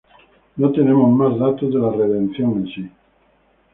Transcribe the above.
No tenemos más datos de la redención en sí.